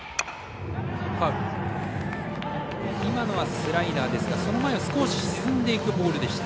今のはスライダーですがその前、少し沈んでいくボールでした。